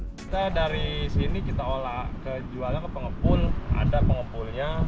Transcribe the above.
kita dari sini kita olah jualnya ke pengepul ada pengepulnya